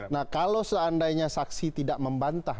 nah kalau seandainya saksi tidak membantah